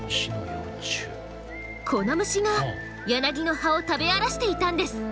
この虫がヤナギの葉を食べ荒らしていたんです。